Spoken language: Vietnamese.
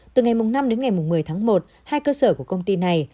từ ngày năm đến ngày một mươi tháng một hai cơ sở của công ty này